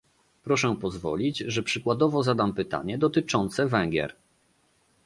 Proszę pozwolić, że przykładowo zadam pytanie dotyczące Węgier